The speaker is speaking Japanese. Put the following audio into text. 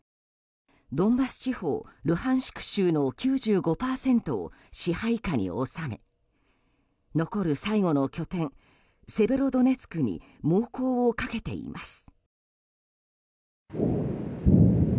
ドンバス地方ルハンシク州の９５％を支配下に収め残る最後の拠点セベロドネツクに猛攻をかけています。